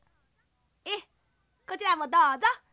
ええこちらもどうぞ。